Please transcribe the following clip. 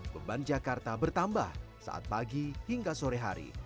beban jakarta bertambah saat pagi hingga sore hari